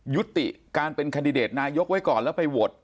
ยุติการเป็นคันดิเดตนายกไว้ก่อนแล้วไปโหวต